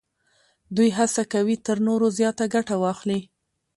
دوی هڅه کوي تر نورو زیاته ګټه واخلي